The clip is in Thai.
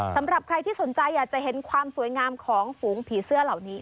สำหรับใครที่สนใจอยากจะเห็นความสวยงามของฝูงผีเสื้อเหล่านี้